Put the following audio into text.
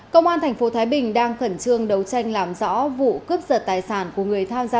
công an tp thái bình đang khẩn trương đấu tranh làm rõ vụ cướp giật tài sản của người tham gia